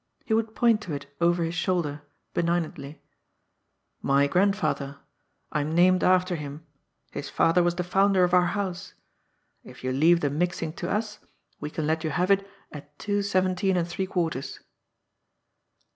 He would point to it, over his shoulder, benignantly :" My grandfather. I am named after him. His father was the founder of our house. If you leave the mixing to us, we can let you have it at two seventeen and three quarters."